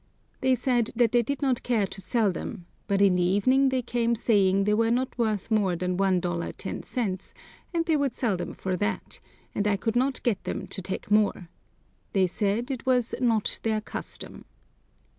They said they did not care to sell them, but in the evening they came saying they were not worth more than 1 dollar 10 cents, and they would sell them for that; and I could not get them to take more. They said it was "not their custom."